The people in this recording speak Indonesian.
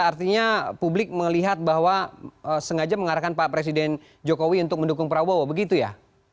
artinya publik melihat bahwa sengaja mengarahkan pak presiden jokowi untuk mendukung prabowo begitu ya